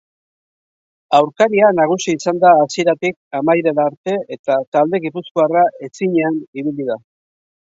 Aurkaria nagusi izan da hasieratik amaierara arte eta talde gipuzkoarra ezinean ibili da.